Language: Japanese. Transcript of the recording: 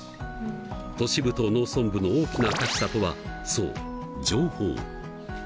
都市部と農村部の大きな格差とはそう情報！